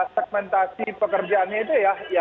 segmentasi pekerjaannya itu ya